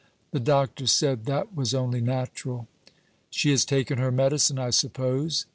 The doctor said that was only natural." "She has taken her medicine, I suppose?"